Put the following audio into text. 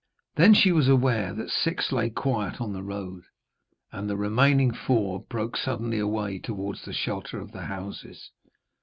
Then she was aware that six lay quiet on the road, and the remaining four broke suddenly away towards the shelter of the houses.